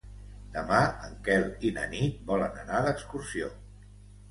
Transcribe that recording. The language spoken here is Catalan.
Demà en Quel i na Nit volen anar d'excursió.